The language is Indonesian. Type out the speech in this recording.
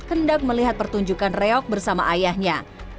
hendak melihat pertunjukan reok bersama ayahnya